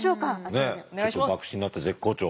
ねえちょっと幕臣になって絶好調。